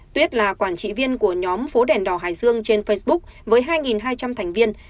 tuyết là quản trị viên của nhóm phố đèn đỏ hải dương trên facebook với hai hai trăm linh thành viên